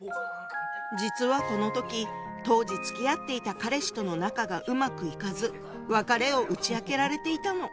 実はこの時当時つきあっていた彼氏との仲がうまくいかず別れを打ち明けられていたの。